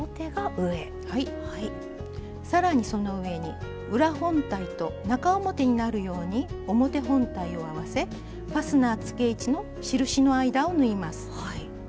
さらにその上に裏本体と中表になるように表本体を合わせファスナーつけ位置の印の間を縫います。